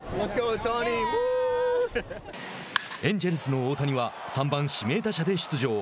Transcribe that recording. エンジェルスの大谷は３番、指名打者で出場。